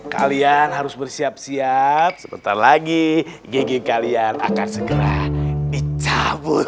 kalian harus bersiap siap sebentar lagi gigi kalian akan segera dicabut